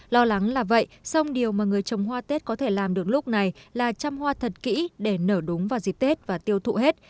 lo lắng là vậy song điều mà người trồng hoa tết có thể làm được lúc này là trăm hoa thật kỹ để nở đúng vào dịp tết và tiêu thụ hết